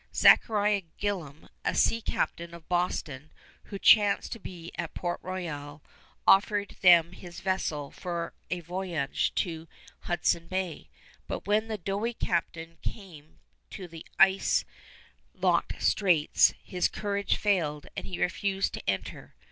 Zechariah Gillam, a sea captain of Boston, who chanced to be at Port Royal, offered them his vessel for a voyage to Hudson Bay; but when the doughty captain came to the ice locked straits, his courage failed and he refused to enter.